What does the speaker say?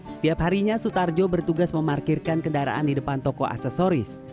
setiap harinya sutarjo bertugas memarkirkan kendaraan di depan toko aksesoris